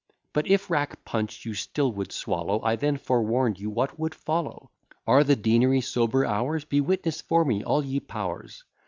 But if rack punch you still would swallow, I then forewarn'd you what would follow. Are the Deanery sober hours? Be witness for me all ye powers.